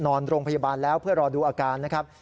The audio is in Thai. นอนโรงพยาบาลแล้วเพื่อรอดูอาการนะครับ